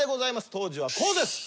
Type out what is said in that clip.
当時はこうです。